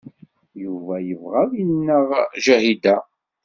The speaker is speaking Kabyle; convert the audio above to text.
Yuba yebɣa ad ineɣ Ǧahida.